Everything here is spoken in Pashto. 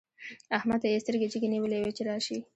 احمد ته يې سترګې جګې نيولې وې چې راشي.